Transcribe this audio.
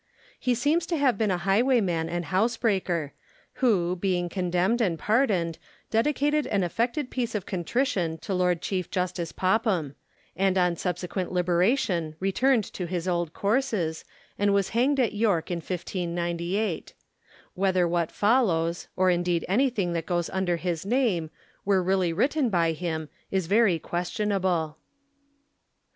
He seems to have been a highwayman and house breaker, who, being condemned and pardoned, dedicated an affected piece of contrition to Lord Chief Justice Popham; and on subsequent liberation, returned to his old courses, and was hanged at York in 1598. Whether what follows, or indeed anything that goes under his name, were really written by him is very questionable.